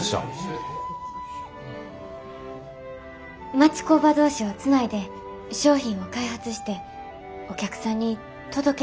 町工場同士をつないで商品を開発してお客さんに届ける仕事です。